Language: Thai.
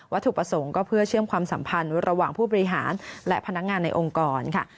ถูกประสงค์ก็เพื่อเชื่อมความสัมพันธ์ระหว่างผู้บริหารและพนักงานในองค์กรค่ะ